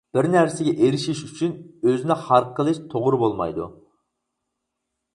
بىر نەرسىگە ئېرىشىش ئۈچۈن ئۆزىنى خار قىلىش توغرا بولمايدۇ.